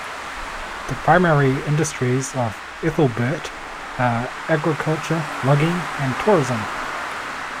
The primary industries of Ethelbert are agriculture, logging and tourism.